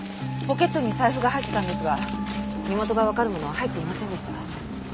ポケットに財布が入ってたんですが身元がわかるものは入っていませんでした。